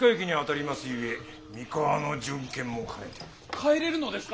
帰れるのですか！？